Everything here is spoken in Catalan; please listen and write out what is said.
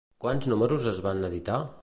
Quants números es van editar?